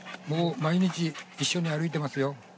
もう毎日一緒に歩いてますよ。